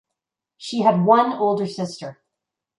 She had one older sister.